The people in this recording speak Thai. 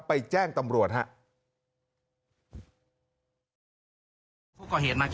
ไปแจ้งตำรวจฮะ